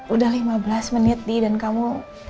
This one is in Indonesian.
udah lima belas menit nih dan kamu